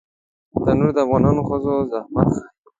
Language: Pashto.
تنور د افغانو ښځو زحمت ښيي